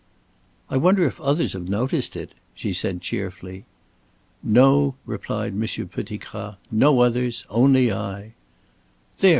"I wonder if others have noticed it," she said, cheerfully. "No," replied Monsieur Pettigrat. "No others. Only I." "There!